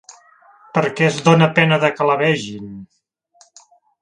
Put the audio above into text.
Perquè és dóna pena de que la vegin…